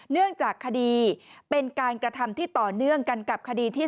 เนื่องจากคดีเป็นการกระทำที่ต่อเนื่องกันกับคดีที่